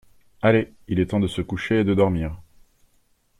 Allez, il est temps de se coucher et de dormir.